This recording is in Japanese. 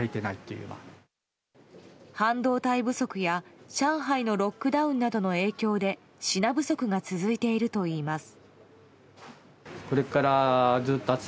半導体不足や上海のロックダウンなどの影響で品不足が続いているといいます。